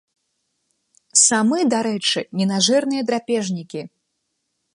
Самы, дарэчы, ненажэрныя драпежнікі.